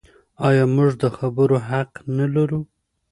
آیا موږ د خبرو حق نلرو؟